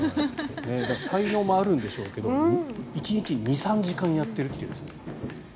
才能もあるんでしょうけど１日に２３時間やってるという。